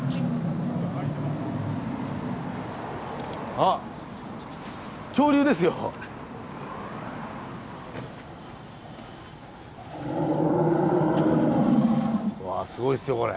あ恐竜ですよ！わすごいっすよこれ。